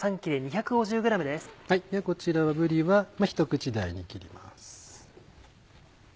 こちらぶりはひと口大に切ります。